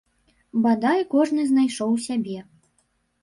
Бадай кожны знайшоў сябе.